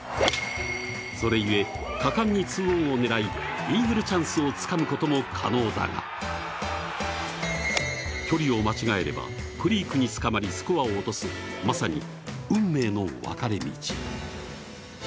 それゆえ果敢に２オンを狙い、イーグルチャンスをつかむことも可能だが距離を間違えればクリークにつかまりスコアを落とす、まさに運命の分かれ道。